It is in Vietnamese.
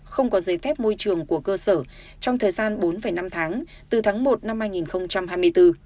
không có giấy phép môi trường của cơ sở trong thời gian bốn năm tháng từ tháng một năm hai nghìn hai mươi bốn